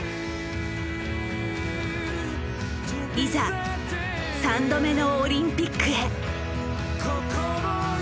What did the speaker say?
いざ３度目のオリンピックへ。